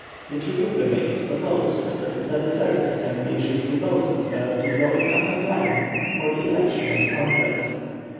The Triumvirate proposed that a third Assembly should devote itself to drawing up a plan for the election of the Congress.